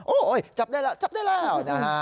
โอ้โหจับได้แล้วจับได้แล้วนะฮะ